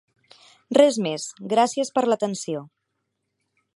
Res més, gràcies per l'atenció.